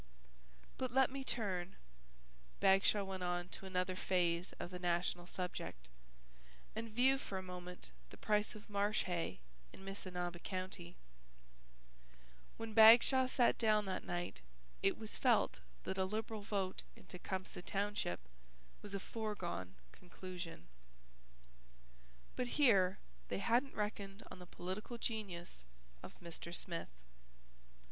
"But let me turn," Bagshaw went on to another phase of the national subject, "and view for a moment the price of marsh hay in Missinaba County " When Bagshaw sat down that night it was felt that a Liberal vote in Tecumseh Township was a foregone conclusion. But here they hadn't reckoned on the political genius of Mr. Smith.